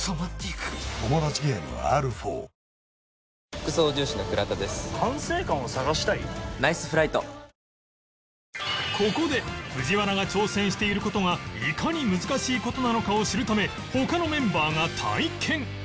結局ここで藤原が挑戦している事がいかに難しい事なのかを知るため他のメンバーが体験